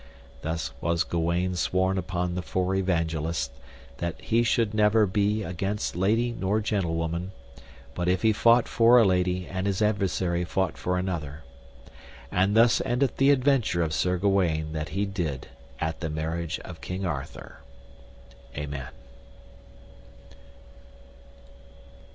Thus was Gawaine sworn upon the Four Evangelists that he should never be against lady nor gentlewoman, but if he fought for a lady and his adversary fought for another. And thus endeth the adventure of Sir Gawaine that he did at the marriage of King Arthur. Amen.